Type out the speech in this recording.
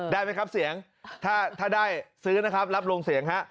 ได้ไหมครับเสียงถ้าได้ซื้อนะครับรับลงเสียงฮะ